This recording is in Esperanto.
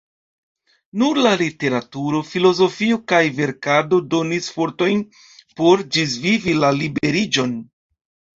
Nur la literaturo, filozofio kaj verkado donis fortojn por ĝisvivi la liberiĝon.